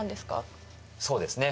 そうですね。